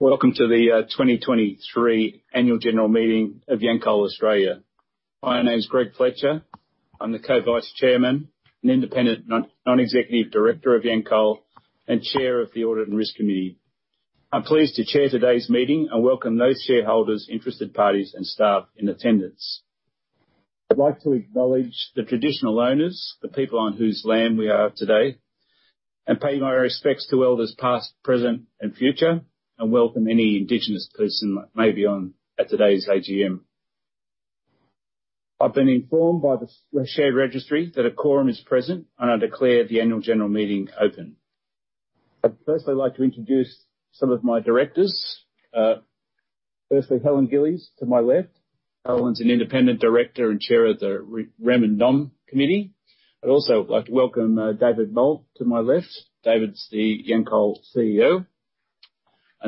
Welcome to the 2023 Annual General Meeting of Yancoal Australia. My name is Greg Fletcher. I'm the Co-Vice Chairman and Independent Non-Executive Director of Yancoal Australia and Chair of the Audit and Risk Management Committee. I'm pleased to chair today's meeting and welcome those shareholders, interested parties and staff in attendance. I'd like to acknowledge the traditional owners, the people on whose land we are today, and pay my respects to elders past, present, and future, and welcome any indigenous person that may be on at today's AGM. I've been informed by the shared registry that a quorum is present, and I declare the Annual General Meeting open. I'd firstly like to introduce some of my directors. Firstly, Helen Gillies, to my left. Helen's an Independent Director and Chair of the Nomination and Remuneration Committee. I'd also like to welcome David Moult to my left. David's the Yancoal CEO.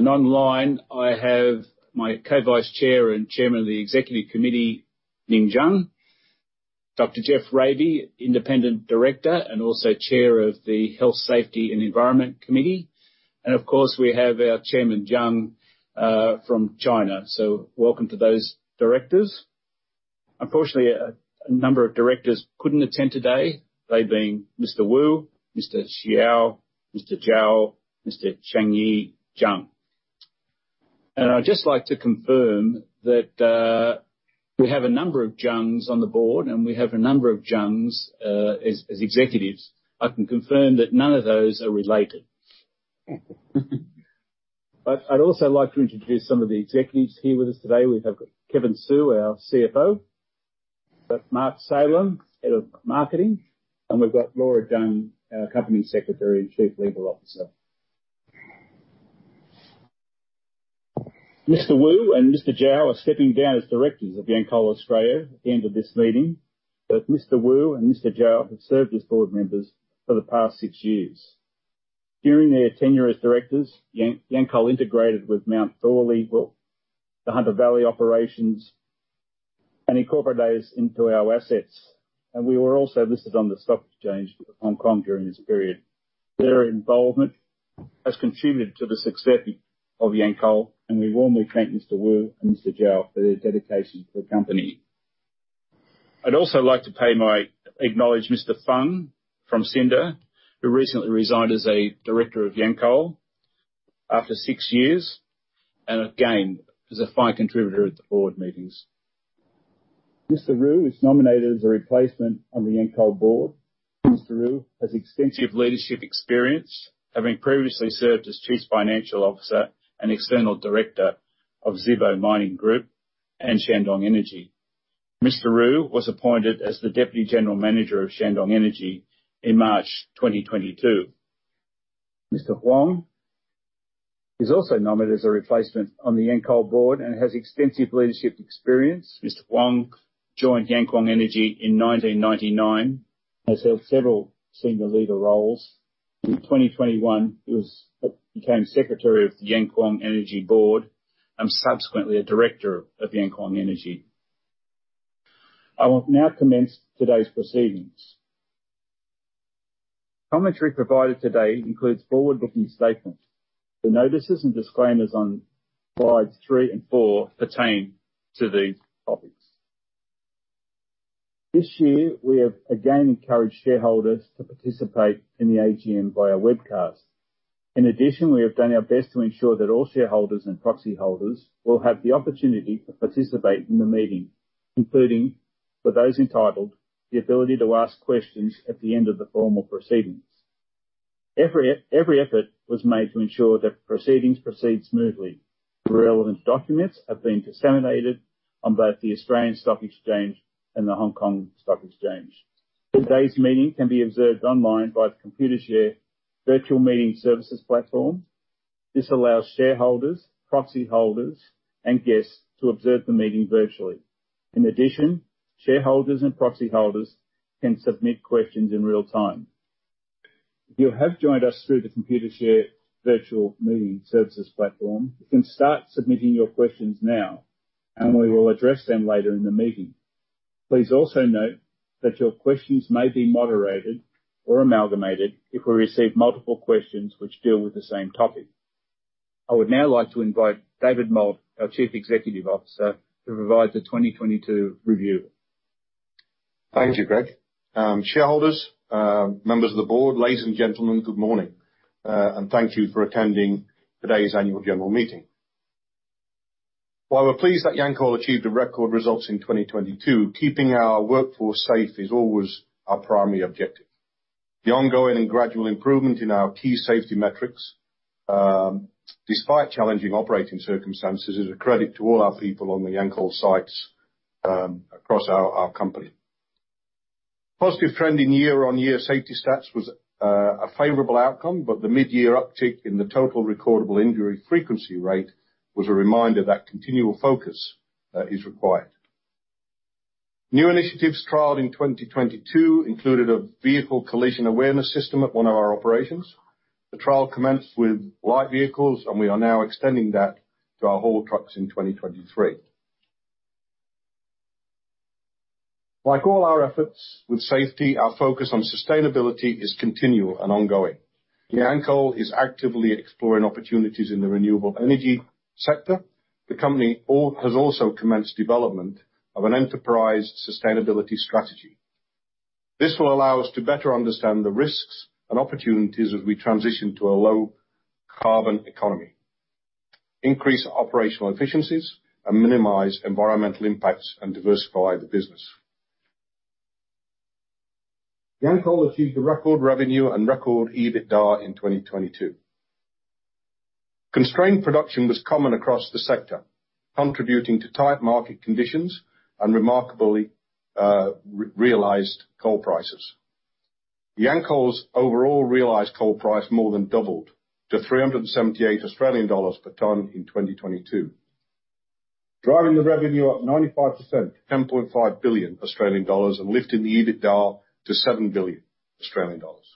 Online, I have my Co-Vice Chair and Chairman of the Executive Committee, Ning Zhang; Dr. Geoff Raby, Independent Director, and also Chair of the Health, Safety, and Environment Committee. Of course, we have our Chairman, Zhang, from China. So welcome to those directors. Unfortunately, a number of directors couldn't attend today. They being Mr. Wu, Mr. Xiao, Mr. Zhao, Mr. Changyi Zhang. I'd just like to confirm that we have a number of Zhangs on the board, and we have a number of Zhangs, as executives. I can confirm that none of those are related. I'd also like to introduce some of the executives here with us today. We have Kevin Su, our CFO, we've got Mark Salem, Head of Marketing, and we've got Laura Zhang, our Company Secretary and Chief Legal Officer. Mr. Wu and Mr. Zhao are stepping down as directors of Yancoal Australia at the end of this meeting. Mr. Wu and Mr. Zhao have served as board members for the past six years. During their tenure as directors, Yancoal integrated with Mount Thorley Warkworth, the Hunter Valley Operations, and incorporated it into our assets. We were also listed on the Stock Exchange of Hong Kong during this period. Their involvement has contributed to the success of Yancoal, and we warmly thank Mr. Wu and Mr. Zhao for their dedication to the company. I'd also like to acknowledge Mr. Feng, from Cinda, who recently resigned as a director of Yancoal after six years, and again, he's a fine contributor at the board meetings. Mr. Ru is nominated as a replacement on the Yancoal board. Ru has extensive leadership experience, having previously served as Chief Financial Officer and External Director of Zibo Mining Group and Shandong Energy. Mr. Ru was appointed as the Deputy General Manager of Shandong Energy in March 2022. Mr. Huang is also nominated as a replacement on the Yancoal Australia board and has extensive leadership experience. Mr. Huang joined Yankuang Energy in 1999 and has held several senior leader roles. In 2021, he became Secretary of the Yankuang Energy Board and subsequently a Director of Yankuang Energy. I will now commence today's proceedings. Commentary provided today includes forward-looking statements. The notices and disclaimers on slides three and four pertain to these topics. This year, we have again encouraged shareholders to participate in the AGM via webcast. In addition, we have done our best to ensure that all shareholders and proxy holders will have the opportunity to participate in the meeting, including, for those entitled, the ability to ask questions at the end of the formal proceedings. Every effort was made to ensure that proceedings proceed smoothly. The relevant documents have been disseminated on both the Australian Securities Exchange and the Hong Kong Stock Exchange. Today's meeting can be observed online by the Computershare Virtual Meeting Services platform. This allows shareholders, proxy holders, and guests to observe the meeting virtually. In addition, shareholders and proxy holders can submit questions in real time. If you have joined us through the Computershare Virtual Meeting Services platform, you can start submitting your questions now, and we will address them later in the meeting. Please also note that your questions may be moderated or amalgamated if we receive multiple questions which deal with the same topic. I would now like to invite David Moult, our Chief Executive Officer, to provide the 2022 review. Thank you, Greg. Shareholders, members of the board, ladies and gentlemen, good morning, and thank you for attending today's annual general meeting. While we're pleased that Yancoal achieved the record results in 2022, keeping our workforce safe is always our primary objective. The ongoing and gradual improvement in our key safety metrics, despite challenging operating circumstances, is a credit to all our people on the Yancoal sites, across our company. Positive trending year-on-year safety stats was a favorable outcome, the mid-year uptick in the Total Recordable Injury Frequency Rate was a reminder that continual focus is required. New initiatives trialed in 2022 included a vehicle collision awareness system at one of our operations. The trial commenced with light vehicles, we are now extending that to our haul trucks in 2023. Like all our efforts with safety, our focus on sustainability is continual and ongoing. Yancoal is actively exploring opportunities in the renewable energy sector. The company has also commenced development of an enterprise sustainability strategy. This will allow us to better understand the risks and opportunities as we transition to a low carbon economy, increase operational efficiencies, and minimize environmental impacts, and diversify the business. Yancoal achieved a record revenue and record EBITDA in 2022. Constrained production was common across the sector, contributing to tight market conditions and remarkably realized coal prices. Yancoal's overall realized coal price more than doubled to 378 Australian dollars per ton in 2022, driving the revenue up 95% to 10.5 billion Australian dollars, and lifting the EBITDA to 7 billion Australian dollars.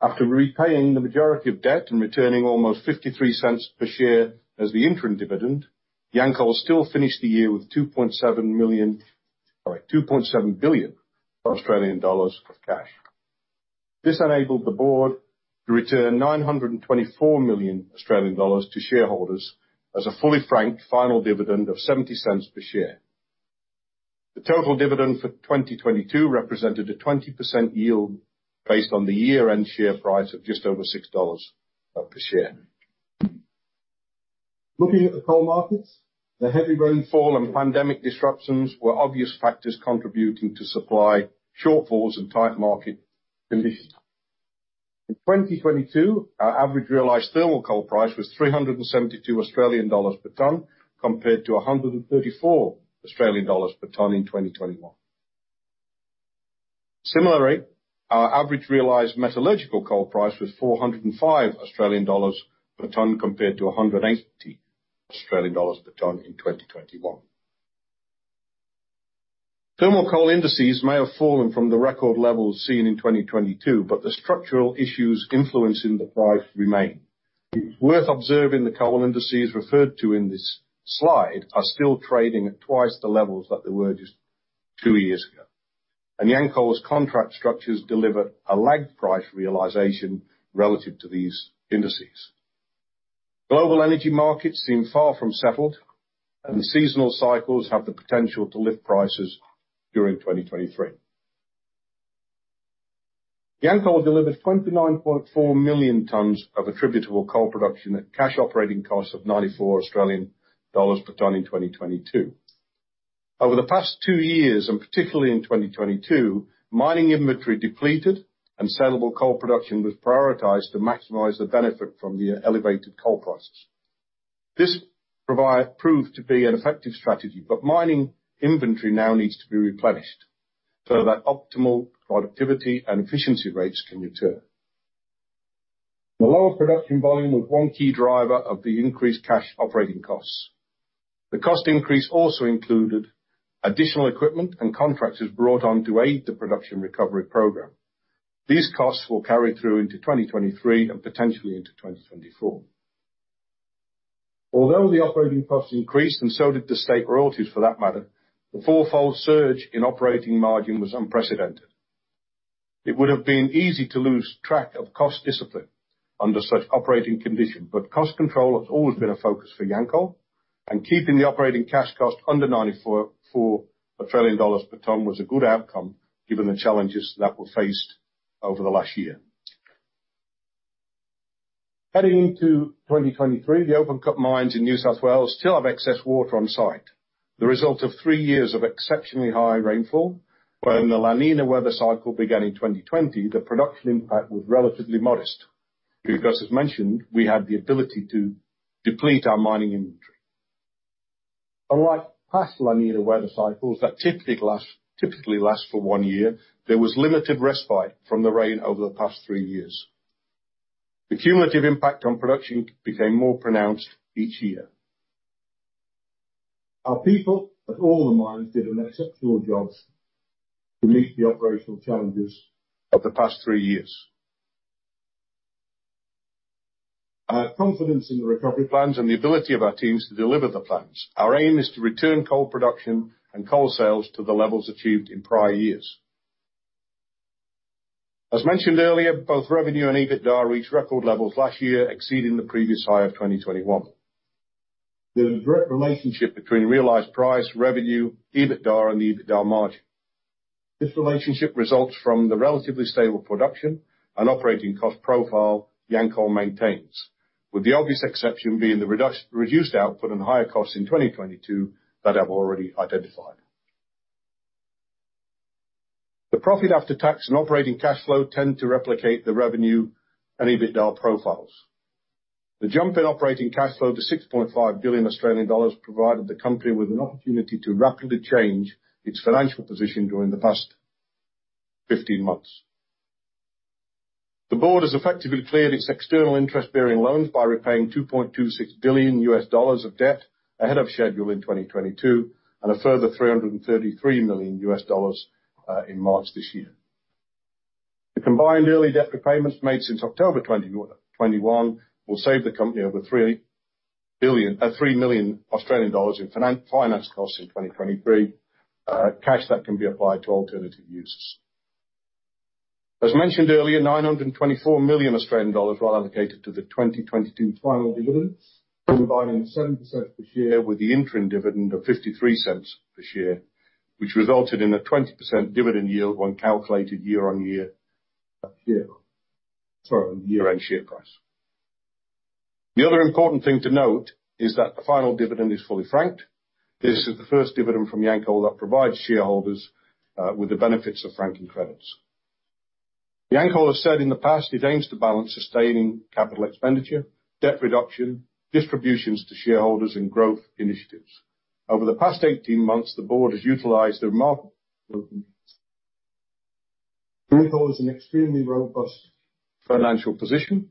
After repaying the majority of debt and returning almost 0.53 per share as the interim dividend, Yancoal still finished the year with 2.7 billion Australian dollars of cash. This enabled the board to return 924 million Australian dollars to shareholders as a fully franked final dividend of 0.70 per share. The total dividend for 2022 represented a 20% yield based on the year-end share price of just over 6 dollars per share. Looking at the coal markets, the heavy rainfall and pandemic disruptions were obvious factors contributing to supply shortfalls and tight market conditions. In 2022, our average realized thermal coal price was 372 Australian dollars per ton, compared to 134 Australian dollars per ton in 2021. Similarly, our average realized metallurgical coal price was 405 Australian dollars per ton, compared to 180 Australian dollars per ton in 2021. Thermal coal indices may have fallen from the record levels seen in 2022, but the structural issues influencing the price remain. It's worth observing the coal indices referred to in this slide are still trading at twice the levels that they were just two years ago, and Yancoal's contract structures deliver a lagged price realization relative to these indices. Global energy markets seem far from settled, and the seasonal cycles have the potential to lift prices during 2023. Yancoal delivered 29.4 million tons of attributable coal production at cash operating costs of 94 Australian dollars per ton in 2022. Over the past two years, and particularly in 2022, mining inventory depleted and sellable coal production was prioritized to maximize the benefit from the elevated coal prices. This proved to be an effective strategy, but mining inventory now needs to be replenished so that optimal productivity and efficiency rates can return. The lower production volume was one key driver of the increased cash operating costs. The cost increase also included additional equipment and contractors brought on to aid the production recovery program. These costs will carry through into 2023, and potentially into 2024. Although the operating costs increased, and so did the state royalties for that matter, the fourfold surge in operating margin was unprecedented. It would have been easy to lose track of cost discipline under such operating conditions, but cost control has always been a focus for Yancoal, and keeping the operating cash cost under 94.4 dollars per ton was a good outcome, given the challenges that were faced over the last year. Heading into 2023, the open cut mines in New South Wales still have excess water on site, the result of three years of exceptionally high rainfall. When the La Niña weather cycle began in 2020, the production impact was relatively modest because, as mentioned, we had the ability to deplete our mining inventory. Unlike past La Niña weather cycles that typically last for one year, there was limited respite from the rain over the past three years. The cumulative impact on production became more pronounced each year. Our people at all the mines did an exceptional job to meet the operational challenges of the past three years. I have confidence in the recovery plans and the ability of our teams to deliver the plans. Our aim is to return coal production and coal sales to the levels achieved in prior years. As mentioned earlier, both revenue and EBITDA reached record levels last year, exceeding the previous high of 2021. There is a direct relationship between realized price, revenue, EBITDA and the EBITDA margin. This relationship results from the relatively stable production and operating cost profile Yancoal maintains, with the obvious exception being the reduced output and higher costs in 2022 that I've already identified. The profit after tax and operating cash flow tend to replicate the revenue and EBITDA profiles. The jump in operating cash flow to 6.5 billion Australian dollars provided the company with an opportunity to rapidly change its financial position during the past 15 months. The board has effectively cleared its external interest-bearing loans by repaying $2.26 billion of debt ahead of schedule in 2022, and a further $333 million in March this year. The combined early debt repayments made since October 2021 will save the company over 3 million Australian dollars in finance costs in 2023, cash that can be applied to alternative uses. As mentioned earlier, 924 million Australian dollars were allocated to the 2022 final dividend, combining 0.70 per share with the interim dividend of 0.53 per share, which resulted in a 20% dividend yield when calculated year-on-year, year, sorry, year-end share price. The other important thing to note is that the final dividend is fully franked. This is the first dividend from Yancoal that provides shareholders with the benefits of franking credits. Yancoal has said in the past, it aims to balance sustaining capital expenditure, debt reduction, distributions to shareholders, and growth initiatives. Over the past 18 months, Yancoal is an extremely robust financial position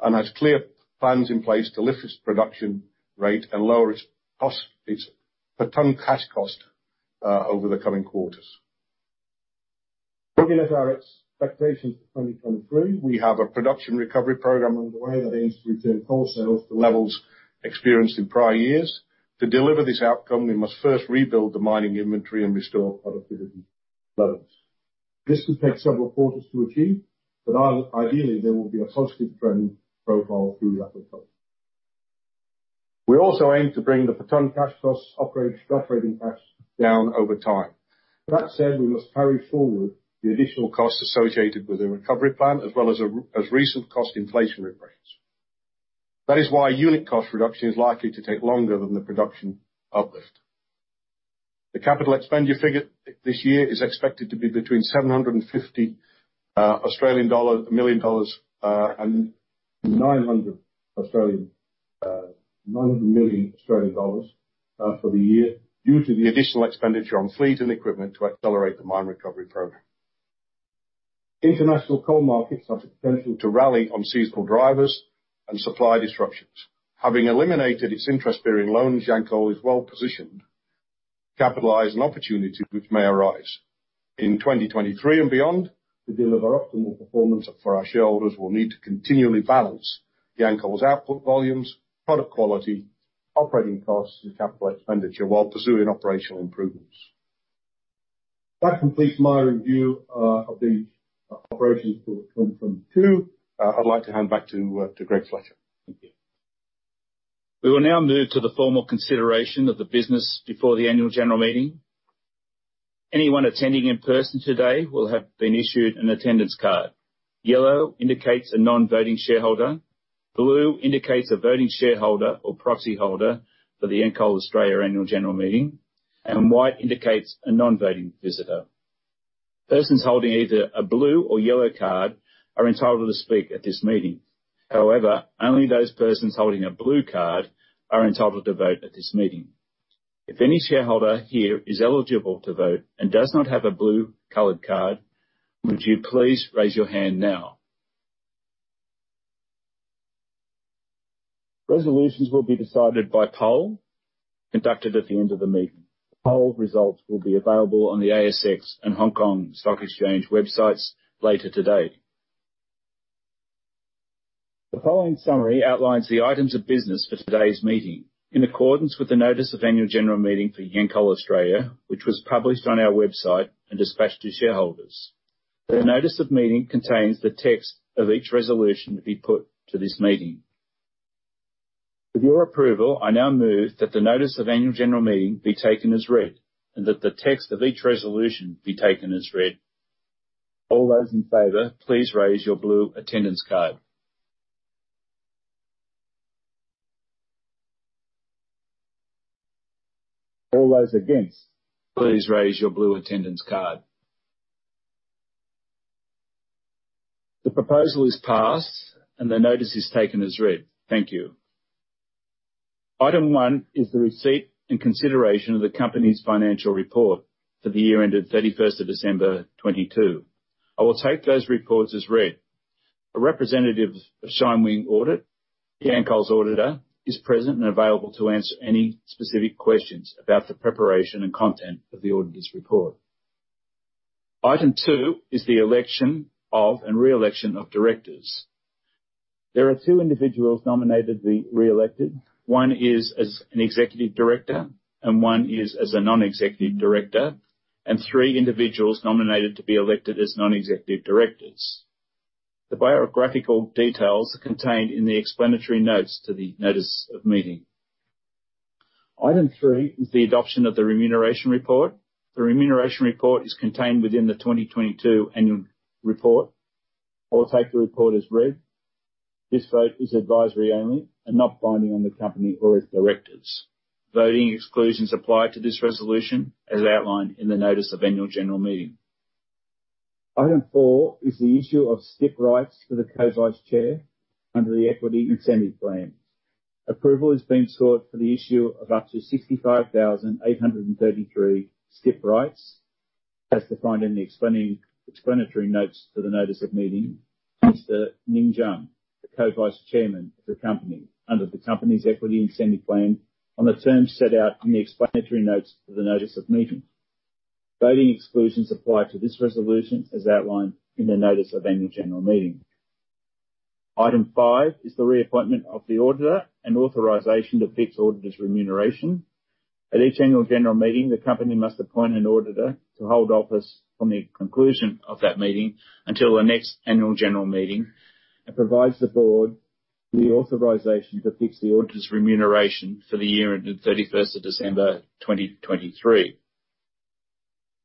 and has clear plans in place to lift its production rate and lower its cost, its per ton cash cost, over the coming quarters. Looking at our expectations for 2023, we have a production recovery program underway that aims to return coal sales to levels experienced in prior years. To deliver this outcome, we must first rebuild the mining inventory and restore productivity loads. This will take several quarters to achieve, but, ideally, there will be a positive trend profile through that recovery. We also aim to bring the per ton cash costs, operating costs down over time. That said, we must carry forward the additional costs associated with the recovery plan, as well as recent cost inflation rates. That is why unit cost reduction is likely to take longer than the production uplift. The capital expenditure figure this year is expected to be between 750 million Australian dollars and 900 million for the year, due to the additional expenditure on fleet and equipment to accelerate the mine recovery program. International coal markets have potential to rally on seasonal drivers and supply disruptions. Having eliminated its interest-bearing loans, Yancoal is well positioned to capitalize on opportunities which may arise. In 2023 and beyond, to deliver optimal performance for our shareholders, we'll need to continually balance Yancoal's output volumes, product quality, operating costs, and capital expenditure, while pursuing operational improvements. That completes my review of the operations for 2022. I'd like to hand back to Greg Fletcher. Thank you. We will now move to the formal consideration of the business before the annual general meeting. Anyone attending in person today will have been issued an attendance card. Yellow indicates a non-voting shareholder, blue indicates a voting shareholder or proxyholder for the Yancoal Australia annual general meeting, and white indicates a non-voting visitor. Persons holding either a blue or yellow card are entitled to speak at this meeting. Only those persons holding a blue card are entitled to vote at this meeting. If any shareholder here is eligible to vote and does not have a blue-colored card, would you please raise your hand now? Resolutions will be decided by poll, conducted at the end of the meeting. Poll results will be available on the ASX and Hong Kong Stock Exchange websites later today. The following summary outlines the items of business for today's meeting. In accordance with the notice of annual general meeting for Yancoal Australia, which was published on our website and dispatched to shareholders. The notice of meeting contains the text of each resolution to be put to this meeting. With your approval, I now move that the notice of annual general meeting be taken as read, and that the text of each resolution be taken as read. All those in favor, please raise your blue attendance card. All those against, please raise your blue attendance card. The proposal is passed, and the notice is taken as read. Thank you. Item one is the receipt and consideration of the company's financial report for the year ended 31st of December, 2022. I will take those reports as read. A representative of ShineWing Australia, Yancoal's auditor, is present and available to answer any specific questions about the preparation and content of the auditor's report. Item two is the election of and re-election of directors. There are two individuals nominated to be re-elected. One is as an executive director and one is as a non-executive director, and three individuals nominated to be elected as non-executive directors. The biographical details are contained in the explanatory notes to the notice of meeting. Item three is the adoption of the remuneration report. The remuneration report is contained within the 2022 annual report. I will take the report as read. This vote is advisory only and not binding on the company or its directors. Voting exclusions apply to this resolution as outlined in the notice of annual general meeting. Item four is the issue of STIP rights for the Co-Vice Chair under the Equity Incentive Plan. Approval is being sought for the issue of up to 65,833 STIP rights, as defined in the explanatory notes to the notice of meeting, Mr. Ning Zhang, the Co-Vice Chairman of the company under the company's Equity Incentive Plan, on the terms set out in the explanatory notes to the notice of meeting. Voting exclusions apply to this resolution, as outlined in the notice of Annual General Meeting. Item five is the reappointment of the auditor and authorization to fix auditor's remuneration. At each annual general meeting, the company must appoint an auditor to hold office from the conclusion of that meeting until the next annual general meeting, and provides the board the authorization to fix the auditor's remuneration for the year ending 31st of December, 2023.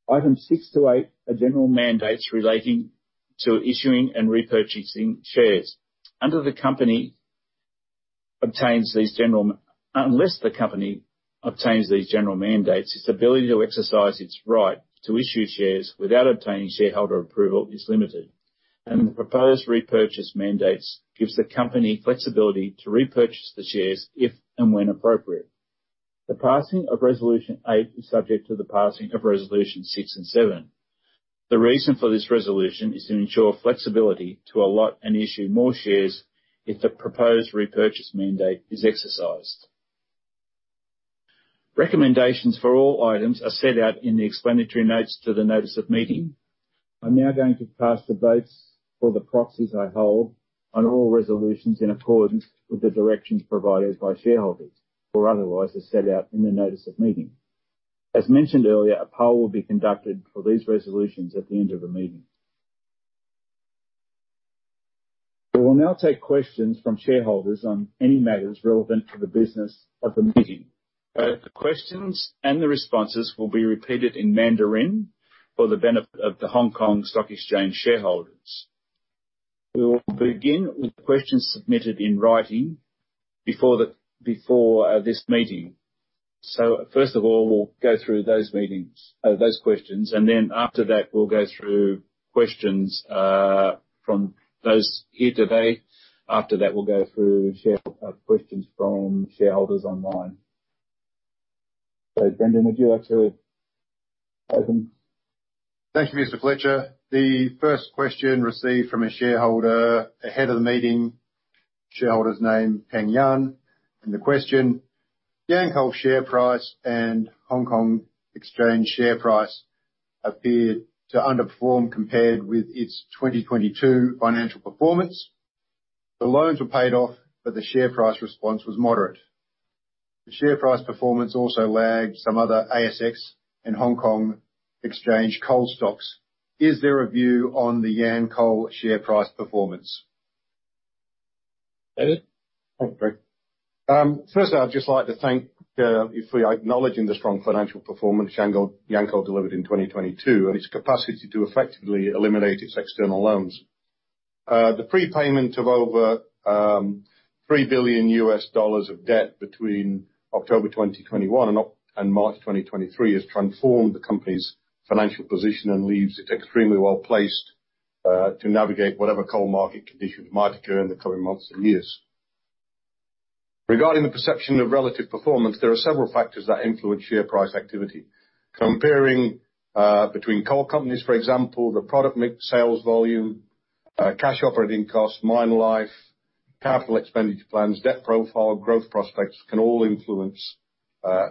Item six to eight are general mandates relating to issuing and repurchasing shares. Unless the company obtains these general mandates, its ability to exercise its right to issue shares without obtaining shareholder approval is limited, and the proposed repurchase mandates gives the company flexibility to repurchase the shares if and when appropriate. The passing of resolution eight is subject to the passing of resolution six and seven. The reason for this resolution is to ensure flexibility to allot and issue more shares if the proposed repurchase mandate is exercised. Recommendations for all items are set out in the explanatory notes to the notice of meeting. I'm now going to cast the votes for the proxies I hold on all resolutions in accordance with the directions provided by shareholders, or otherwise as set out in the notice of meeting. As mentioned earlier, a poll will be conducted for these resolutions at the end of the meeting. We will now take questions from shareholders on any matters relevant to the business of the meeting. Both the questions and the responses will be repeated in Mandarin for the benefit of the Hong Kong Stock Exchange shareholders. We will begin with questions submitted in writing before this meeting. First of all, we'll go through those questions, after that, we'll go through questions from those here today. After that, we'll go through questions from shareholders online. Brendan, would you like to open? Thank you, Mr. Fletcher. The first question received from a shareholder ahead of the meeting, shareholder's name, Peng Yan. The question: Yancoal's share price and Hong Kong Stock Exchange share price appeared to underperform compared with its 2022 financial performance. The loans were paid off, the share price response was moderate. The share price performance also lagged some other ASX and Hong Kong Stock Exchange coal stocks. Is there a view on the Yancoal share price performance? David? Thanks, Greg. First I'd just like to thank, if we're acknowledging the strong financial performance Yancoal delivered in 2022, and its capacity to effectively eliminate its external loans. The prepayment of over $3 billion of debt between October 2021 and March 2023, has transformed the company's financial position and leaves it extremely well placed to navigate whatever coal market conditions might occur in the coming months and years. Regarding the perception of relative performance, there are several factors that influence share price activity. Comparing between coal companies, for example, the product mix, sales volume, cash operating costs, mine life, capital expenditure plans, debt profile, growth prospects, can all influence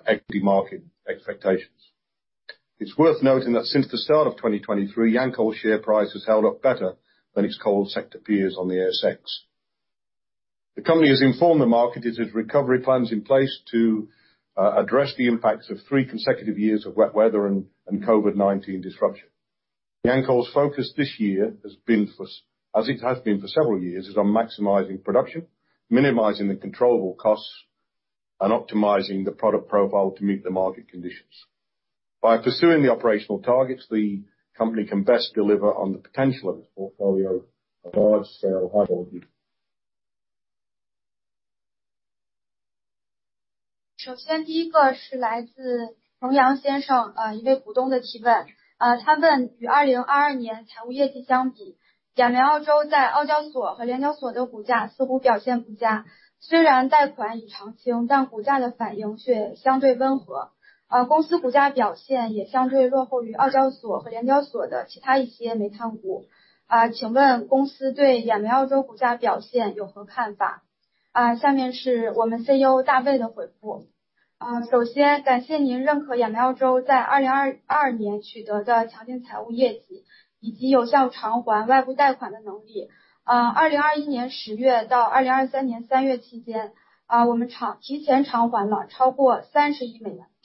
equity market expectations. It's worth noting that since the start of 2023, Yancoal's share price has held up better than its coal sector peers on the ASX. The company has informed the market it has recovery plans in place to address the impacts of three consecutive years of wet weather and COVID-19 disruption. Yancoal's focus this year has been as it has been for several years, is on maximizing production, minimizing the controllable costs, and optimizing the product profile to meet the market conditions. By pursuing the operational targets, the company can best deliver on the potential of its portfolio of large sale, high quality. It is just to maximize the output and minimize the costs as much as possible, and optimize the product configuration to meet the market demand. By committing to these business goals, we can maximize the potential of our large-scale, high-quality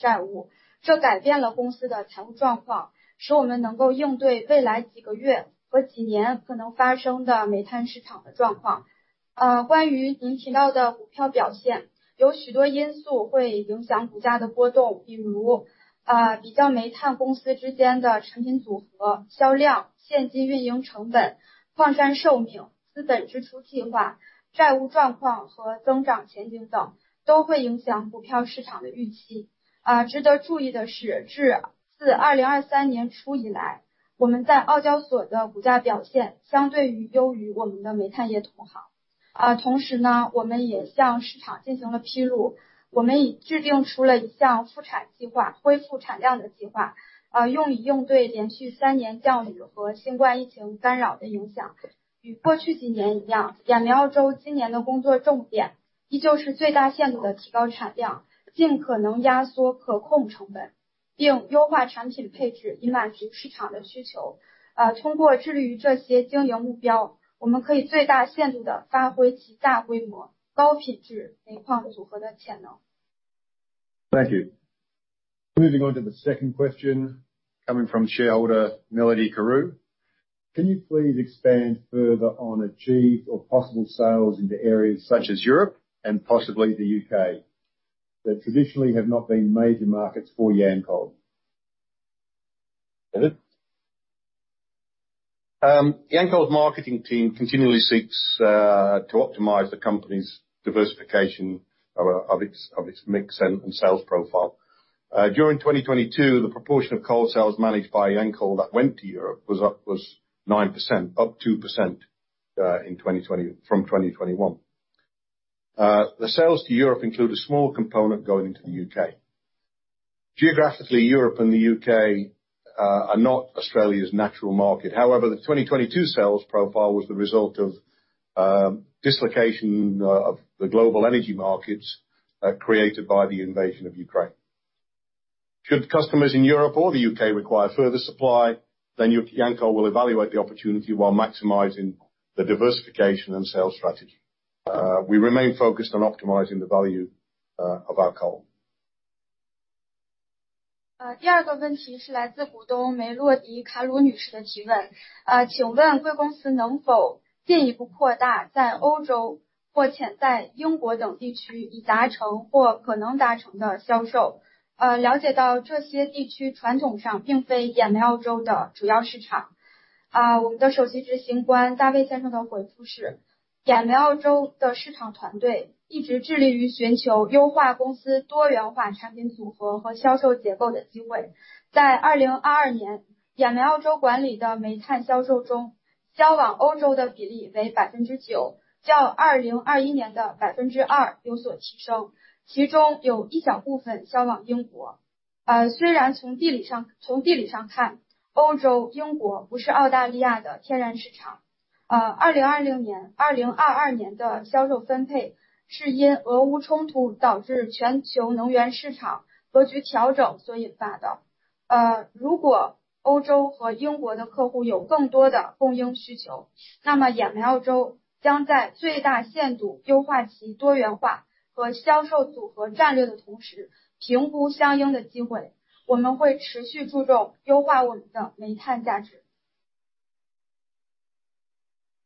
coal combination. Thank you. Moving on to the second question, coming from shareholder Melody Carew. Can you please expand further on achieved or possible sales into areas such as Europe and possibly the U.K., that traditionally have not been major markets for Yancoal? David? Yancoal's marketing team continually seeks to optimize the company's diversification of its mix and sales profile. During 2022, the proportion of coal sales managed by Yancoal that went to Europe was 9%, up 2% from 2021. The sales to Europe include a small component going into the U.K. Geographically, Europe and the U.K. are not Australia's natural market. The 2022 sales profile was the result of dislocation of the global energy markets created by the invasion of Ukraine. Should customers in Europe or the U.K. require further supply, Yancoal will evaluate the opportunity while maximizing the diversification and sales strategy. coal.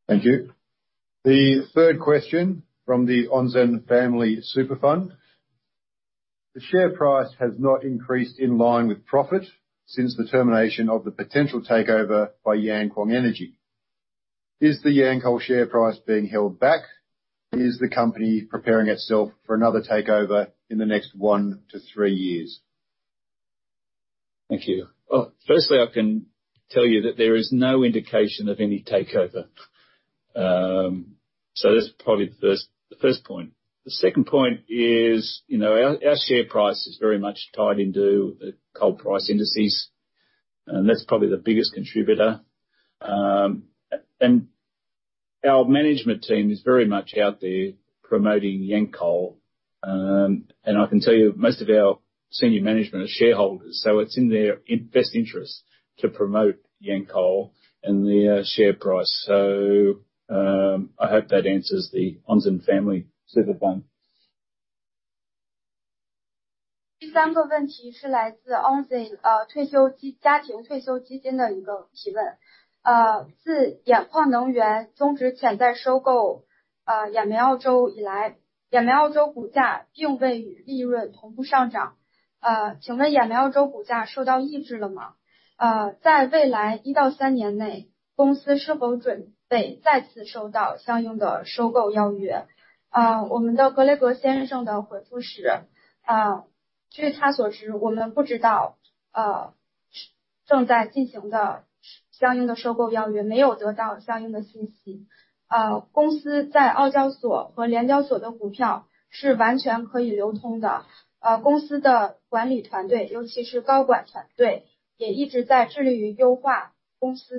Thank you. The third question from the Onzen Family Super Fund. The share price has not increased in line with profit since the termination of the potential takeover by Yankuang Energy. Is the Yancoal share price being held back? Is the company preparing itself for another takeover in the next one to three years? Thank you. Well, firstly, I can tell you that there is no indication of any takeover. That's probably the first point. The second point is, you know, our share price is very much tied into coal price indices, and that's probably the biggest contributor. Our management team is very much out there promoting Yancoal. I can tell you, most of our senior management are shareholders, so it's in their best interest to promote Yancoal and the share price. I hope that answers the Onzen Family Super Fund. The third question is from Onzen Family Super Fund, a family retirement fund. Since the Yankuang Energy terminated the potential acquisition, Yancoal's share price has not kept pace with its profits. Has Yancoal's share price been suppressed? In the next one to three years, is the company preparing itself for another acquisition offer? Our Greg Fletcher answered that, to his knowledge, we are not aware of any ongoing acquisition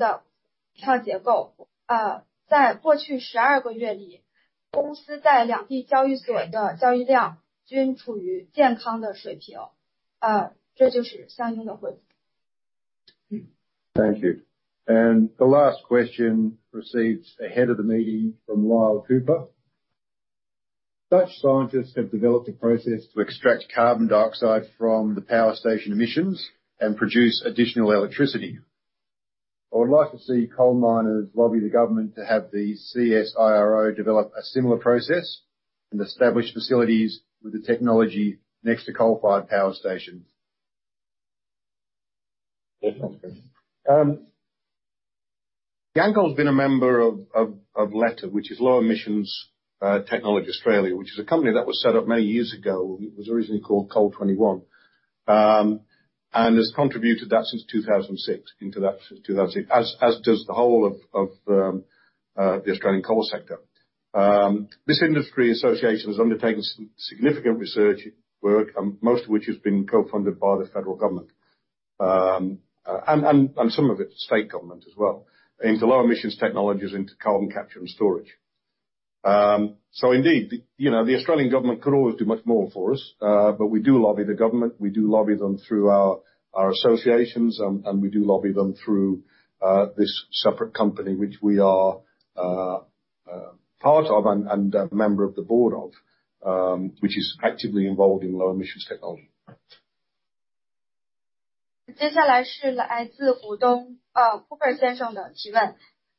offers and have not received relevant information. The company's shares on the ASX and the LSE are fully tradable. The company's management team, especially the senior management team, has been consistently committed to optimizing the company's share structure. In the past 12 months, the company's trading volume on both exchanges has been at a healthy level. This is the relevant response. Thank you. The last question received ahead of the meeting from Lyle Cooper. Dutch scientists have developed a process to extract carbon dioxide from the power station emissions and produce additional electricity. I would like to see coal miners lobby the government to have the CSIRO develop a similar process and establish facilities with the technology next to coal-fired power stations. Yancoal's been a member of LETA, which is Low Emission Technology Australia, which is a company that was set up many years ago. It was originally called COAL21. And has contributed that since 2006, into that 2006, as does the whole of the Australian coal sector. This industry association has undertaken some significant research work, and most of which has been co-funded by the federal government. some of it's state government as well, into low emissions technologies, into carbon capture and storage. Indeed, you know, the Australian government could always do much more for us. We do lobby the government. We do lobby them through our associations, and we do lobby them through this separate company, which we are part of and a member of the board of, which is actively involved in low emissions technology.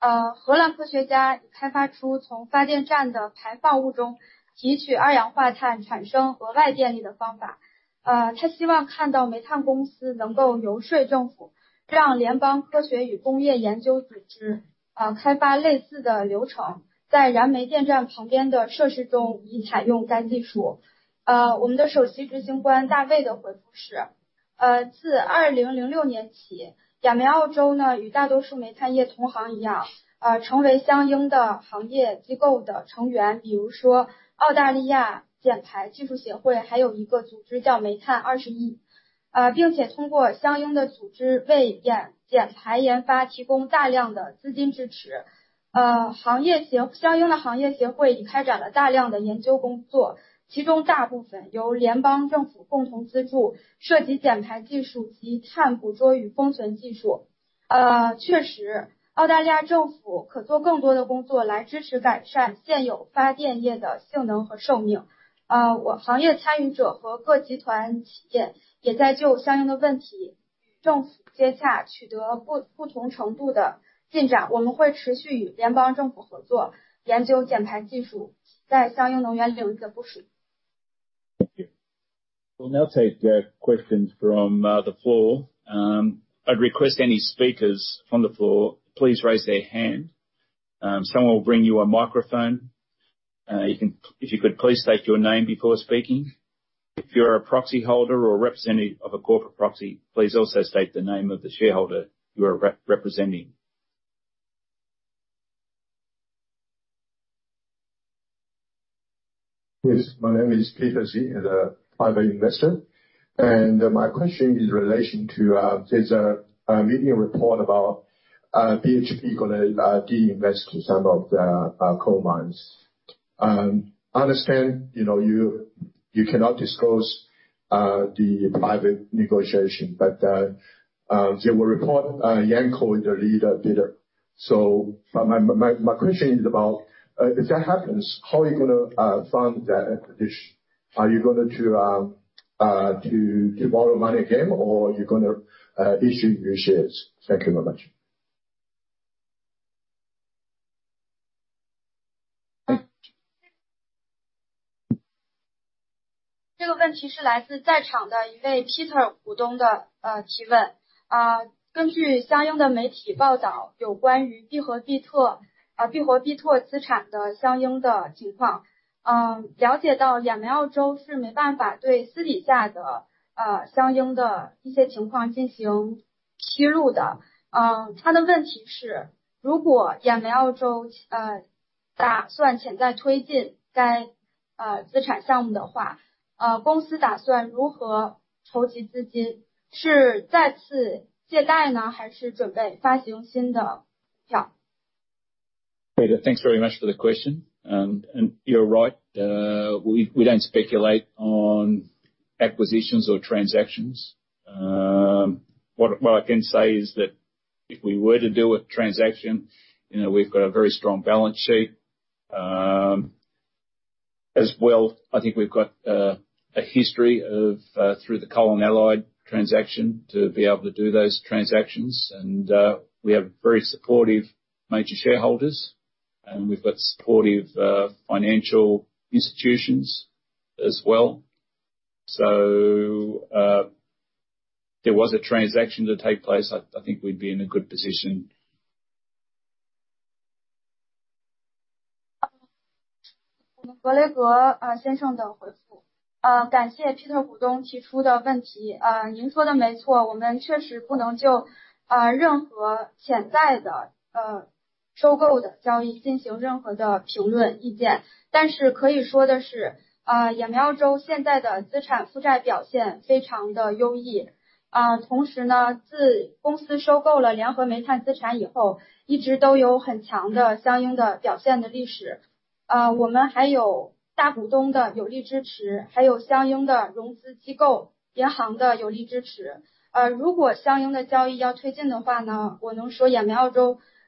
Thank you. We'll now take questions from the floor. I'd request any speakers from the floor, please raise their hand. Someone will bring you a microphone. If you could please state your name before speaking. If you're a proxy holder or a representative of a corporate proxy, please also state the name of the shareholder you are representing. Yes. My name is Peter Zee, a private investor. My question is in relation to, there's a media report about BHP gonna de-invest in some of the coal mines. I understand, you know, you cannot disclose the private negotiation, but there were report Yancoal, the leader did it. My question is about, if that happens, how are you gonna fund that acquisition? Are you going to borrow money again, or are you gonna issue new shares? Thank you very much. Great. Thanks very much for the question. You're right. We don't speculate on acquisitions or transactions. What I can say is that if we were to do a transaction, you know, we've got a very strong balance sheet. As well, I think we've got a history of through the Coal & Allied transaction, to be able to do those transactions. We have very supportive major shareholders, and we've got supportive financial institutions as well. If there was a transaction to take place, I think we'd be in a good position. Gentleman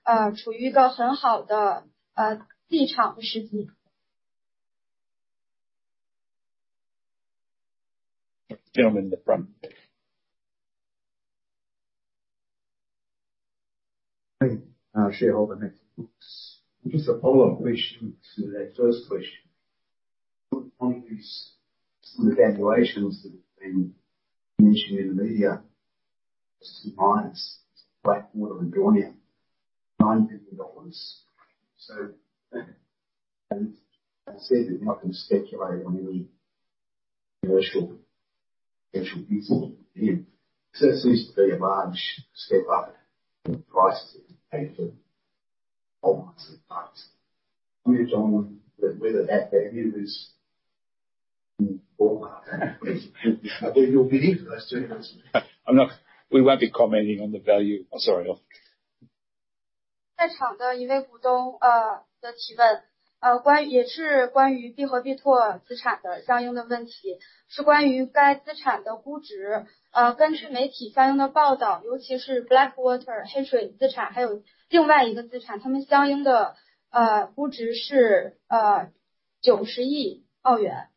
in the front. Hi, shareholder, next. Just a follow-up question to that first question. On these evaluations that have been mentioned in the media, minus Blackwater and Daunia, 9 billion dollars. I said that not going to speculate on any commercial potential here. This seems to be a large step up in the prices paid for whether that value is-... I believe you'll believe us, don't you? We won't be commenting on the value. I'm sorry. 在场的一位股 东， 呃， 的提 问， 呃， 关也是关于必和必拓资产的相应的问 题， 是关于该资产的估值。呃， 根据媒体相应的报 道， 尤其是 Blackwater 黑水资 产， 还有另外一个资 产， 它们相应 的， 呃， 估值 是， 呃， 九十亿澳元。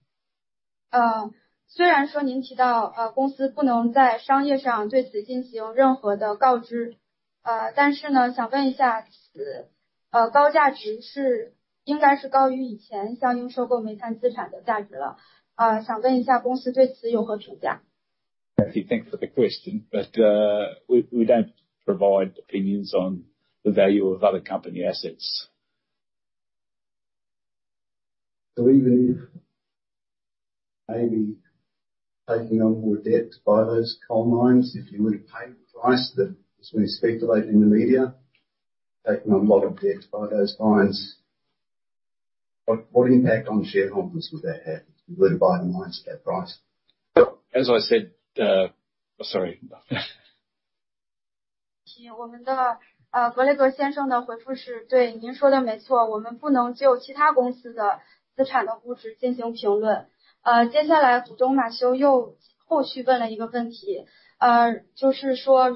呃， 虽然说您提 到， 呃， 公司不能在商业上对此进行任何的告知， 呃， 但是 呢， 想问一 下， 此， 呃， 高价值是应该是高于以前相应收购煤炭资产的价值了。呃， 想问一下公司对此有何评 价？ Matthew, thanks for the question, but, we don't provide opinions on the value of other company assets. Do we believe maybe taking on more debt to buy those coal mines, if you were to pay the price that we speculate in the media, taking on a lot of debt to buy those mines? What impact on share conference would that have if you were to buy the mines at that price? As I said, sorry. 我们 的， 呃， 格雷戈先生的回复 是： 对， 您说得没 错， 我们不能就其他公司的资产的估值进行评论。呃， 接下来股东马修又后续问了一个问 题， 呃， 就是说如果公司要推 进， 假设要推进相应的交易的 话， 是要通 过， 呃， 借， 借贷 吗？ 呃， 是打算以什么方式进 行， 呃， 借 贷？ 就会对股东产生什么样的影 响？ As a board,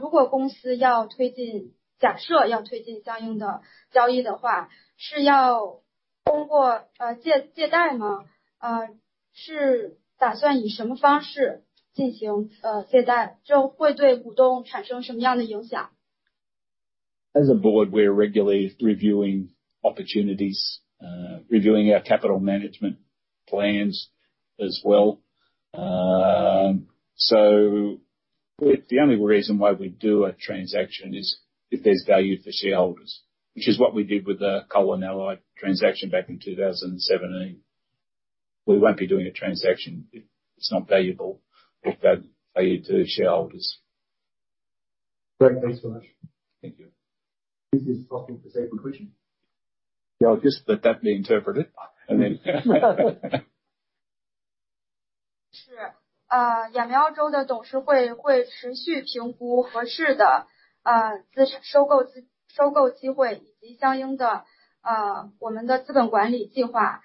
we're regularly reviewing opportunities, reviewing our capital management plans as well. The only reason why we do a transaction is if there's value for shareholders, which is what we did with the Coal & Allied transaction back in 2017. We won't be doing a transaction if it's not valuable or add value to the shareholders. Great. Thanks so much. Thank you. This is stopping the same question. Yeah, I'll just let that be interpreted, and then 是， Yancoal Australia 的董事会会持续评估合适的资产、收购机 会， 以及相应的我们的资本管理计划。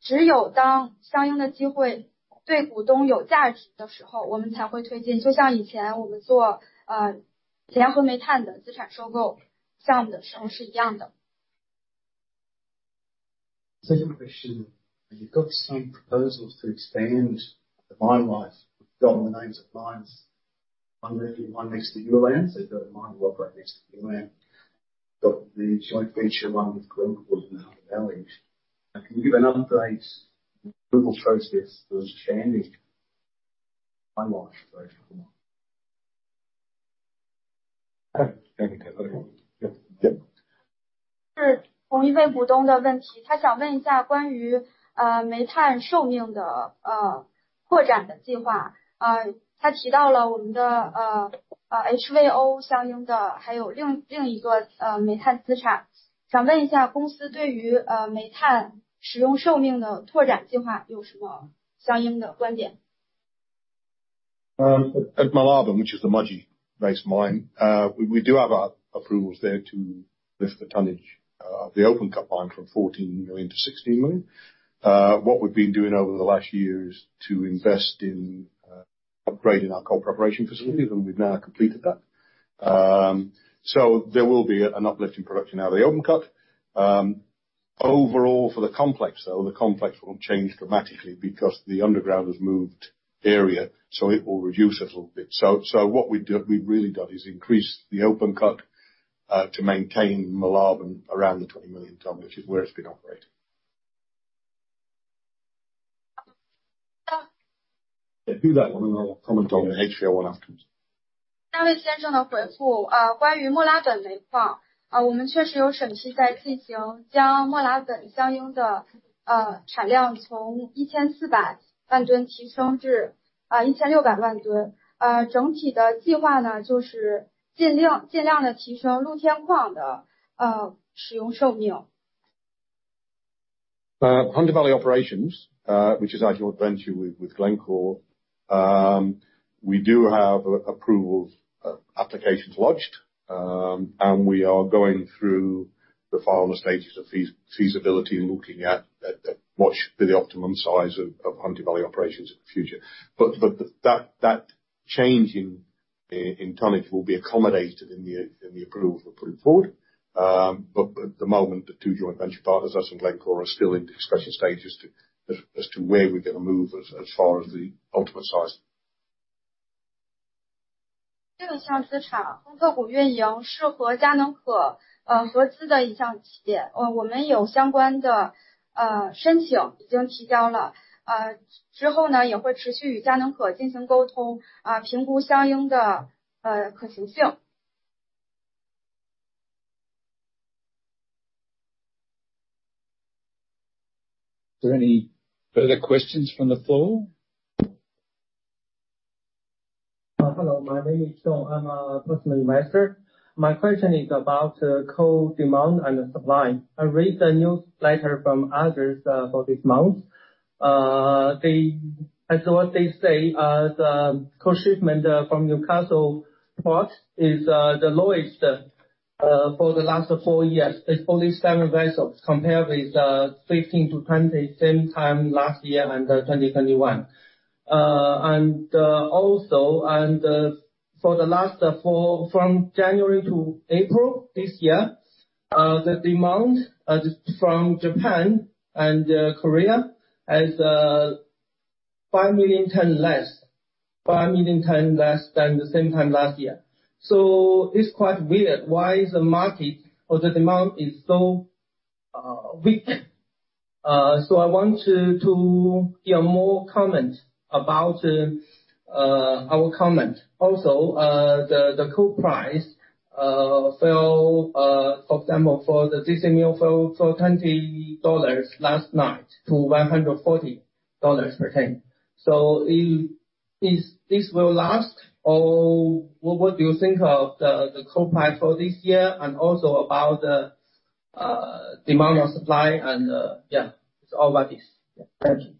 只有当相应的机会对股东有价值的时 候， 我们才会推进。就像以前我们做 Coal & Allied 的资产收购项目的时候是一样的。Second question. You've got some proposals to expand the mine life. We've got the names of mines, one moving, one next to Ulan. They've got a mine right next to Ulan. Got the joint venture, one with Glencore in the Hunter Valley. Can you give an update? Approval process was changed? I want Yeah. Yep. 是同一位股东的问 题， 他想问一下关于煤炭寿命的扩展的计划。他提到了我们的 HVO 相应 的， 还有另一个煤炭资产。想问一 下， 公司对于煤炭使用寿命的拓展计划有什么相应的观 点？ At Moolarben, which is the Mudgee-based mine, we do have our approvals there to lift the tonnage of the open cut mine from 14 million tons-16 million tons. What we've been doing over the last year is to invest in upgrading our coal preparation facilities, and we've now completed that. There will be an uplift in production out of the open cut. Overall, for the complex, though, the complex won't change dramatically because the underground has moved area, so it will reduce a little bit. So what we do, we've really done is increase the open cut to maintain Moolarben around the 20 million tons, which is where it's been operating. 到- Do that, and then I'll comment on HVO one afterwards. 这位先生的回 复， 呃， 关于莫拉本煤 矿， 啊， 我们确实有审计在进 行， 将莫拉本相应 的， 呃， 产量从一千四百万吨提升 至， 啊， 一千六百万吨。呃， 整体的计划 呢， 就是尽 量， 尽量地提升露天矿 的， 呃， 使用寿命。Hunter Valley Operations, which is our joint venture with Glencore. We do have approval applications lodged, and we are going through the final stages of feasibility and looking at what should be the optimum size of Hunter Valley Operations in the future. That change in tonnage will be accommodated in the approval we're putting forward. At the moment, the two joint venture partners, us and Glencore, are still in the discussion stages as to where we're going to move as far as the ultimate size. 这项资 产, Hunter Valley Operations 是和 Glencore, 合资的一项企 业. 我们有相关的申请已经提交 了, 之后 呢, 也会持续与 Glencore 进行沟 通, 评估相应的可行 性. Are there any further questions from the floor? Hello, my name is Joe. I'm a personal investor. My question is about, coal demand and supply. I read the newsletter from others, for this month. They, as what they say, the coal shipment, from Newcastle Port is the lowest, for the last four years. It's only seven vessels, compared with 15-20, same time last year and 2021. Also, from January to April this year, the demand, from Japan and Korea, is 5 million tons less than the same time last year. It's quite weird. Why is the market or the demand is so weak? I want to hear more comment about, our comment. The coal price fell, for example, for the gC NEWC fell from 20 dollars last month to 140 dollars per ton. Is this will last? What do you think of the coal price for this year and also about the demand and supply and, yeah, it's all about this. Thank you.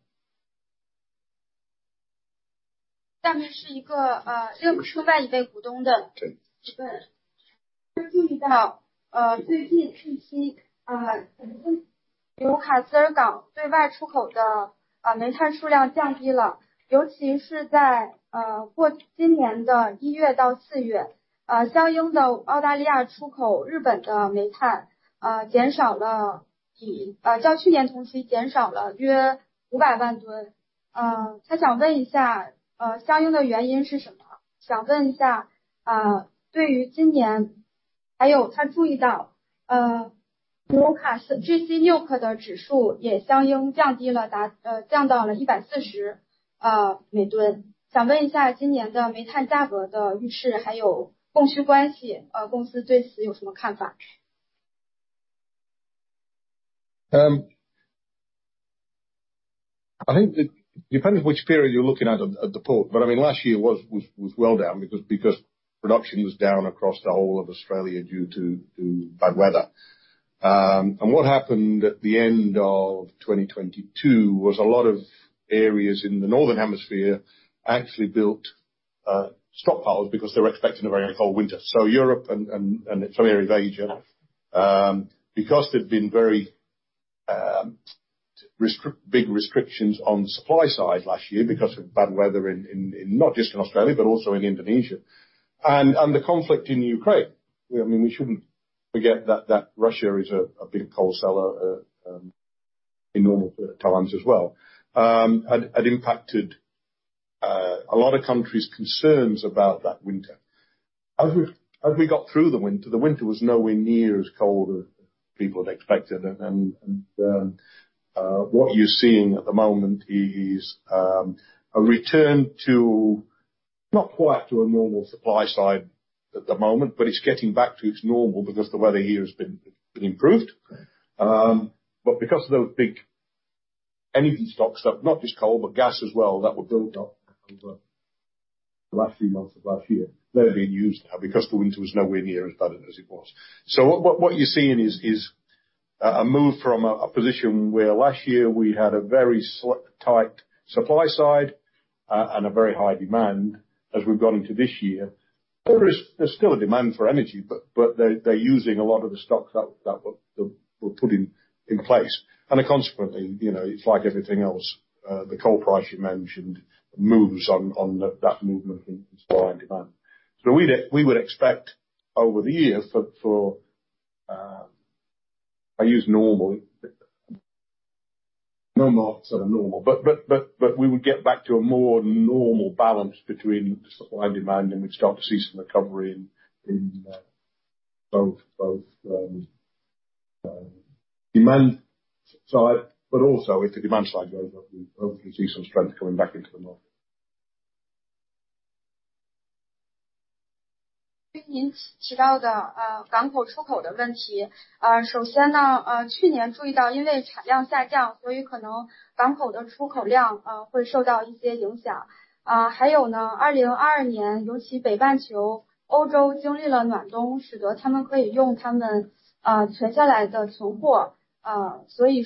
Okay,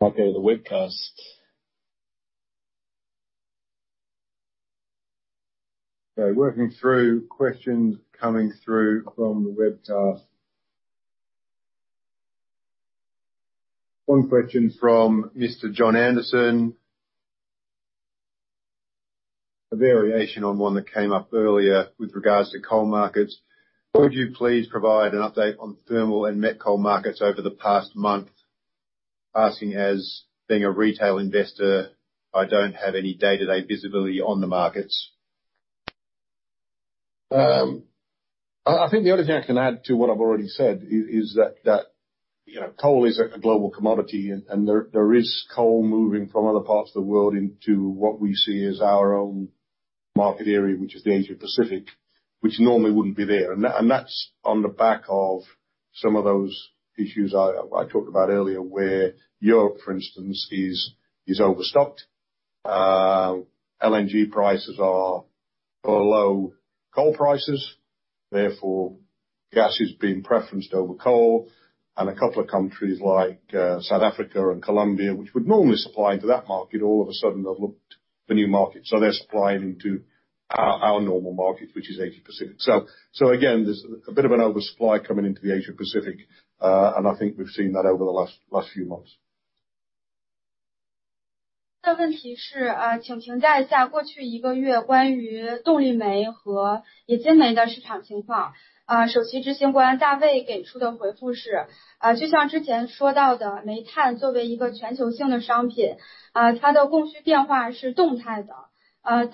the webcast. Working through questions coming through from the webcast. One question from Mr. John Anderson. A variation on one that came up earlier with regards to coal markets. Could you please provide an update on thermal and met coal markets over the past month? Asking as, being a retail investor, I don't have any day-to-day visibility on the markets. I think the only thing I can add to what I've already said is that, you know, coal is a global commodity, and there is coal moving from other parts of the world into what we see as our own market area, which is the Asia-Pacific, which normally wouldn't be there. That's on the back of some of those issues I talked about earlier, where Europe, for instance, is overstocked. LNG prices are below coal prices, therefore, gas is being preferenced over coal. A couple of countries, like South Africa and Colombia, which would normally supply to that market, all of a sudden, they've looked for new markets, so they're supplying into our normal market, which is Asia-Pacific. Again, there's a bit of an oversupply coming into the Asia-Pacific, and I think we've seen that over the last few months. Thank you.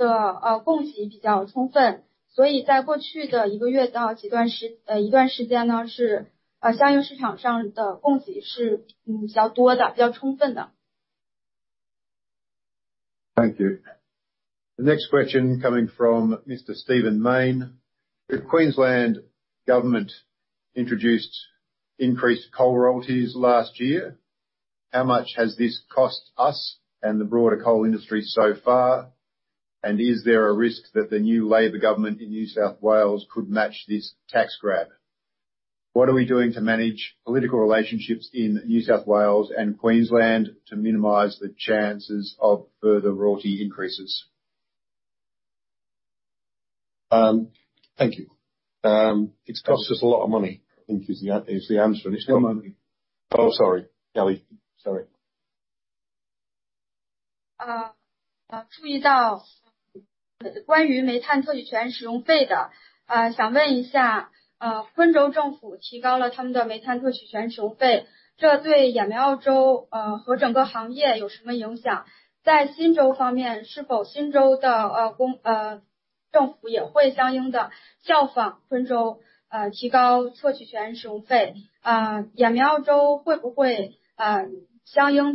The next question coming from Mr. Stephen Mayne. The Queensland government introduced increased coal royalties last year. How much has this cost us and the broader coal industry so far? Is there a risk that the new Labor government in New South Wales could match this tax grab? What are we doing to manage political relationships in New South Wales and Queensland to minimize the chances of further royalty increases? Thank you. It's cost us a lot of money, I think is the, is the answer. A lot of money. Oh, sorry, Kelly. Sorry. Uh, I don't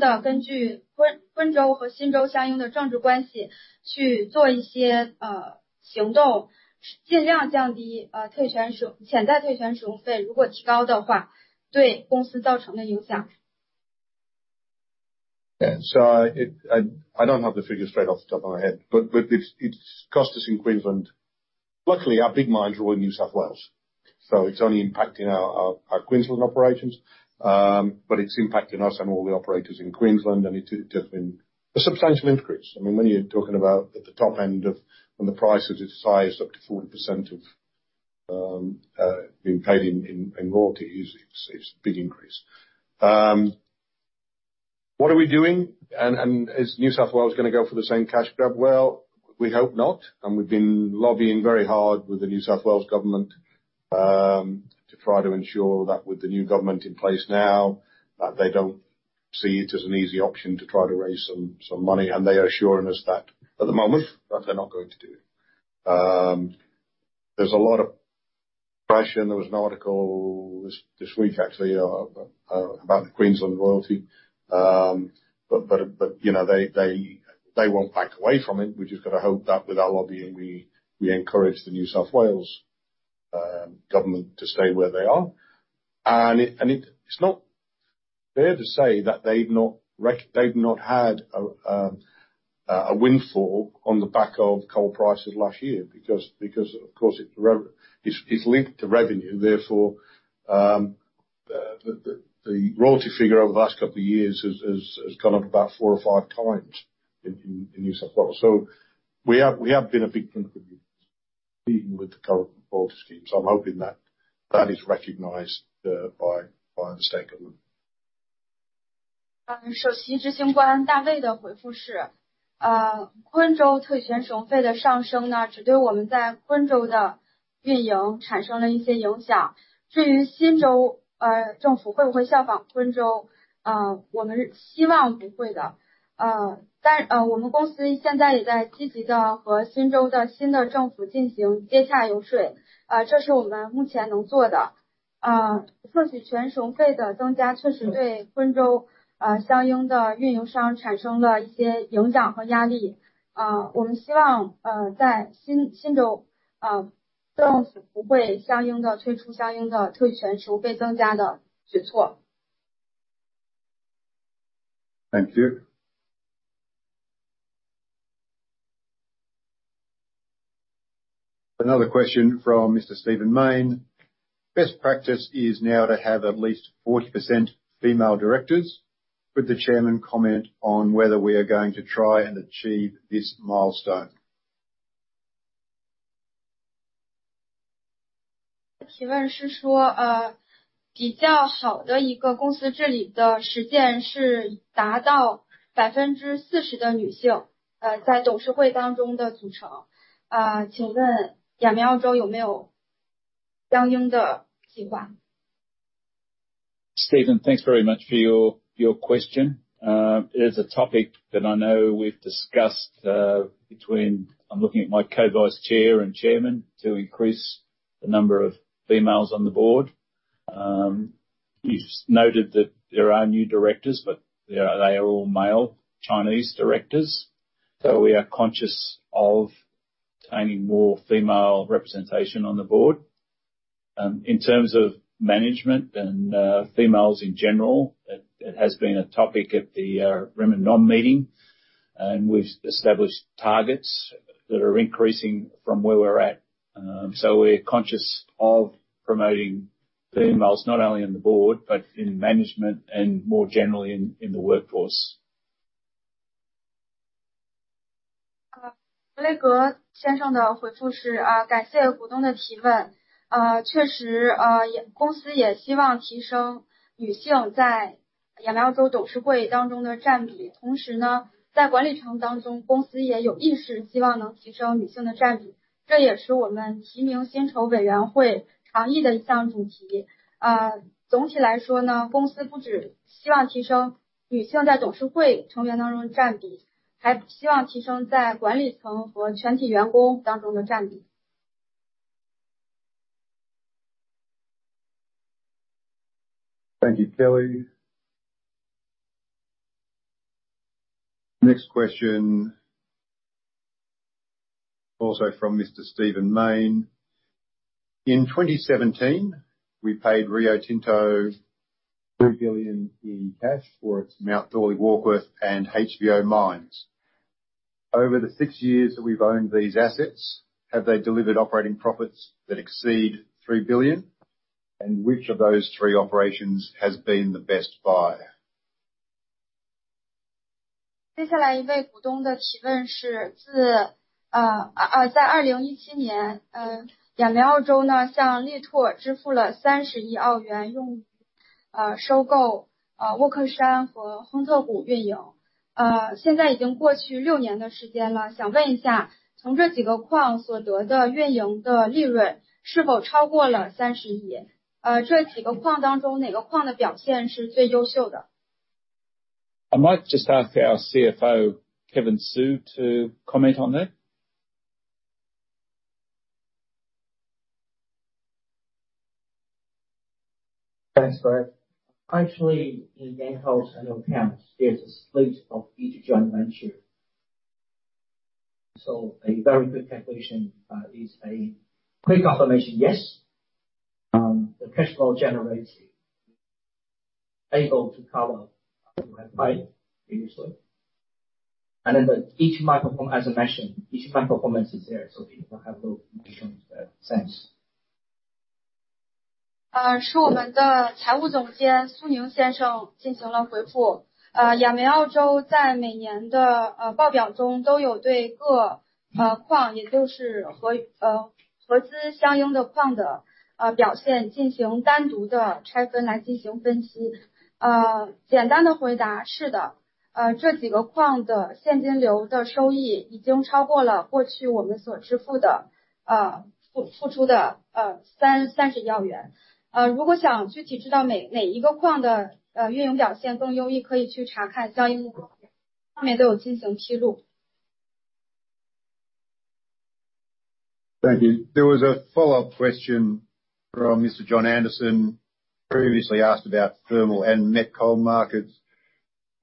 have the figures straight off the top of my head, but it's cost us in Queensland. Luckily, our big mines are all in New South Wales, so it's only impacting our Queensland operations. It's impacting us and all the operators in Queensland, and it has been a substantial increase. I mean, when you're talking about at the top end of, when the price is its highest, up to 40% of being paid in royalties, it's a big increase. What are we doing? Is New South Wales going to go for the same cash grab? Well, we hope not, and we've been lobbying very hard with the New South Wales government to try to ensure that with the new government in place now, that they don't see it as an easy option to try to raise some money. They are assuring us that, at the moment, that they're not going to do. There's a lot of pressure, and there was an article this week actually about the Queensland royalty. You know, they won't back away from it. We've just got to hope that with our lobbying, we encourage the New South Wales government to stay where they are. It's not fair to say that they've not had a windfall on the back of coal prices last year, because of course, it's linked to revenue. Therefore, the royalty figure over the last couple of years has gone up about four or five times in New South Wales. We have been a big contributor, even with the current royalty schemes. I'm hoping that is recognized by the state government. Um,... 授取权赎费的增 加， 确实对温 州， 相应的运营商产生了一些影响和压力。我们希 望， 在新 州， 政府不会相应地推出相应的退权赎费增加的决 策. Thank you. Another question from Mr. Stephen Mayne. Best practice is now to have at least 40% female directors. Could the chairman comment on whether we are going to try and achieve this milestone? 提问是 说， 比较好的一个公司治理的实践是达到 40% 的女 性， 在董事会当中的组成。请问 Yancoal Australia 有没有相应的计 划？ Stephen, thanks very much for your question. It is a topic that I know we've discussed. I'm looking at my Co-Vice Chairman and Chairman to increase the number of females on the board. You've noted that there are new directors, but they are all male Chinese directors. We are conscious of obtaining more female representation on the board. In terms of management and females in general, it has been a topic at the Rem and Nom meeting, and we've established targets that are increasing from where we're at. We're conscious of promoting females not only on the board, but in management and more generally in the workforce. 呃， 格先生的回复 是： 啊， 感谢股东的提问。呃， 确 实， 呃， 公司也希望提升女性在雅苗州董事会当中的占比。同时 呢， 在管理层当 中， 公司也有意识希望能提升女性的占 比， 这也是我们提名薪酬委员会常议的一项主题。呃， 总体来说 呢， 公司不只希望提升女性在董事会成员当中占比，还希望提升在管理层和全体员工当中的占比。Thank you, Kelly. Next question, also from Mr. Stephen Mayne. In 2017, we paid Rio Tinto 3 billion in cash for its Mount Thorley Warkworth and HVO mines. Over the six years that we've owned these assets, have they delivered operating profits that exceed 3 billion? Which of those three operations has been the best buy? 接下来一位股东的提问 是， 自， 呃， 呃， 呃， 在二零一七 年， 嗯， 雅苗州 呢， 向力拓支付了三十亿澳 元， 用 于， 呃， 收 购， 呃， 沃克山和红特谷运营。呃， 现在已经过去六年的时间 了， 想问一 下， 从这几个矿所得的运营的利润是否超过了三十 亿？ 呃， 这几个矿当 中， 哪个矿的表现是最优秀 的？ I might just ask our CFO, Kevin Su, to comment on that. Thanks, Greg. Actually, in house and accounts, there's a [slate] of each joint venture. A very good calculation is a quick affirmation, yes. The cash flow generates able to cover previously. The each [microphone], as I mentioned, each [microphone] is there, so people have the mission. Thanks. 呃， 是我们的财务总监苏宁先生进行了回复。呃， 雅苗州在每年 的， 呃， 报表中都有对 各， 呃， 矿， 也就是 和， 呃， 合资相应的矿 的， 呃， 表现进行单独的拆分来进行分析。呃， 简单的回 答， 是 的， 呃， 这几个矿的现金流的收益已经超过了过去我们所支付 的， 呃， 付， 付出 的， 呃， 三-三十亿元。呃， 如果想具体知道每-每一个矿 的， 呃， 运营表 现， 更愿意可以去查看交易目 录， 上面都有进行披露。Thank you. There was a follow-up question from Mr. John Anderson, previously asked about thermal and met coal markets,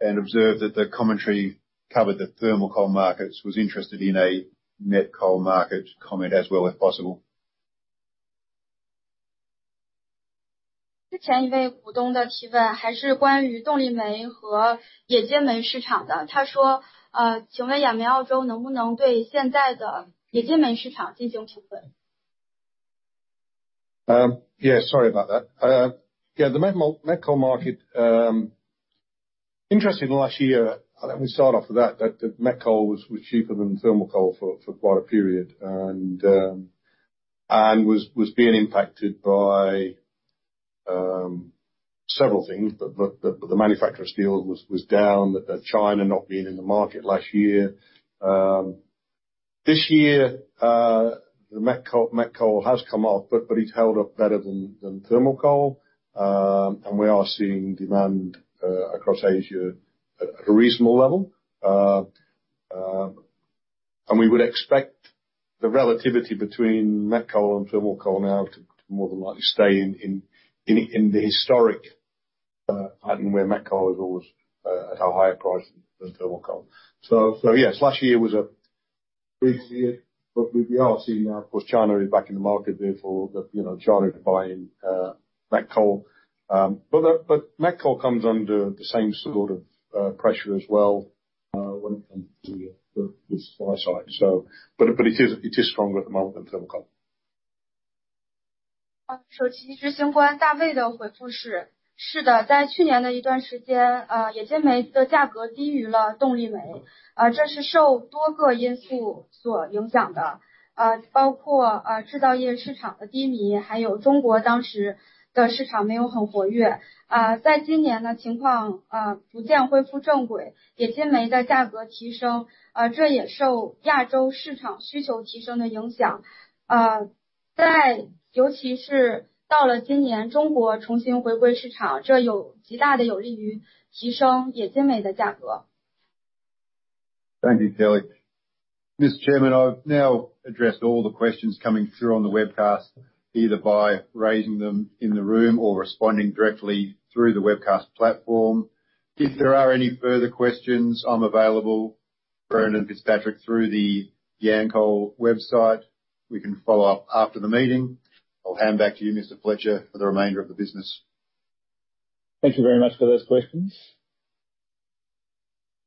and observed that the commentary covered the thermal coal markets. Was interested in a met coal market comment as well, if possible. 之前一位股东的提 问， 还是关于动力煤和冶金煤市场的。他 说， 请问雅苗澳洲能不能对现在的冶金煤市场进行评 论？ Yeah, sorry about that. Yeah, the met coal market, interesting last year. I think we start off with that the met coal was cheaper than thermal coal for quite a period, and was being impacted by several things. The manufacturer steel was down, China not being in the market last year. This year, the met coal has come off, but it's held up better than thermal coal. We are seeing demand across Asia at a reasonable level. We would expect the relativity between met coal and thermal coal now to more than likely stay in the historic pattern, where met coal is always at a higher price than thermal coal. Yes, last year was a big year, we are seeing now, of course, China is back in the market therefore, that, you know, China is buying met coal. But that, but met coal comes under the same sort of pressure as well, when it comes to the supply side. But it is stronger at the moment than thermal coal. Thank you, Kelly. Mr. Chairman, I've now addressed all the questions coming through on the webcast, either by raising them in the room or responding directly through the webcast platform. If there are any further questions, I'm available, Brendan Fitzpatrick, through the Yancoal website. We can follow up after the meeting. I'll hand back to you, Mr. Fletcher, for the remainder of the business. Thank you very much for those questions.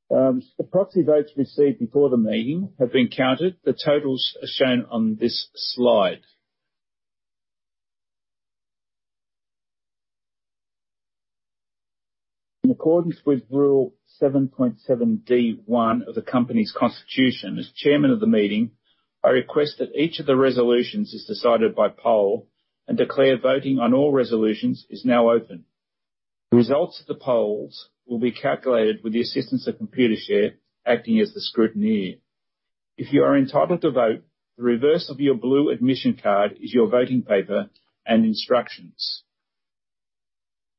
The proxy votes received before the meeting have been counted. The totals are shown on this slide. In accordance with Rule 7.7D1 of the company's constitution, as chairman of the meeting, I request that each of the resolutions is decided by poll, and declare voting on all resolutions is now open. The results of the polls will be calculated with the assistance of Computershare, acting as the scrutineer. If you are entitled to vote, the reverse of your blue admission card is your voting paper and instructions.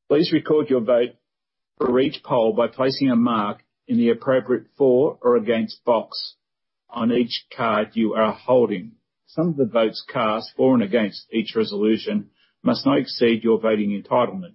Please record your vote for each poll by placing a mark in the appropriate for or against box on each card you are holding. Some of the votes cast for and against each resolution must not exceed your voting entitlement.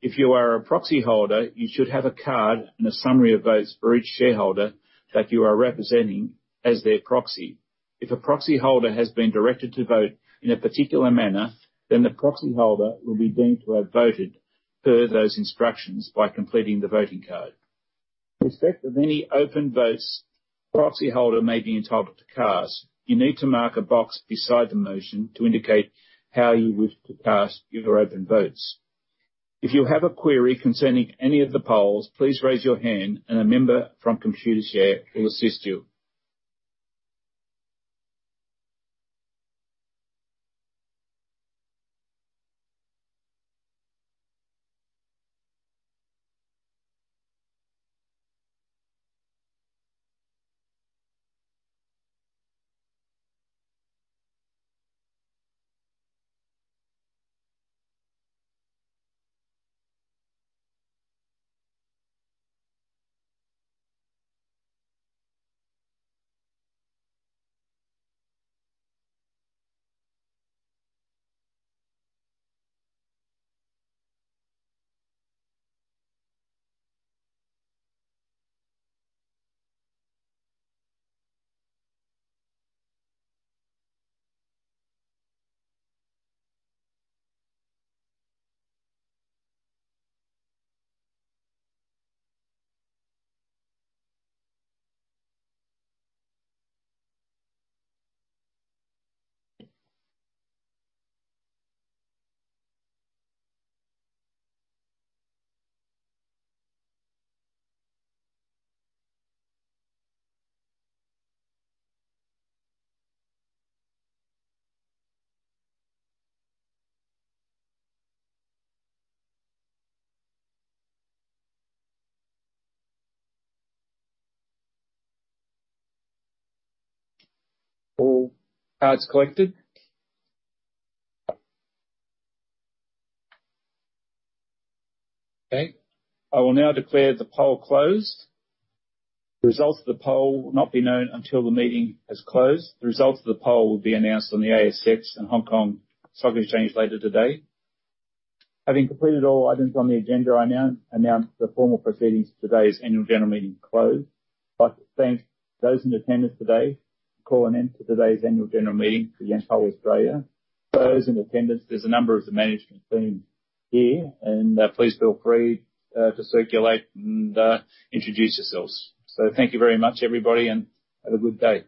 If you are a proxy holder, you should have a card and a summary of votes for each shareholder that you are representing as their proxy. If a proxy holder has been directed to vote in a particular manner, then the proxy holder will be deemed to have voted per those instructions by completing the voting card. With effect of any open votes a proxy holder may be entitled to cast, you need to mark a box beside the motion to indicate how you wish to cast your open votes. If you have a query concerning any of the polls, please raise your hand and a member from Computershare will assist you. All cards collected? I will now declare the poll closed. The results of the poll will not be known until the meeting has closed. The results of the poll will be announced on the ASX and Hong Kong Stock Exchange later today. Having completed all items on the agenda, I now announce the formal proceedings of today's annual general meeting closed. I'd like to thank those in attendance today. Call an end to today's annual general meeting for Yancoal Australia. For those in attendance, there's a number of the management team here, and please feel free to circulate and introduce yourselves. Thank you very much, everybody, and have a good day.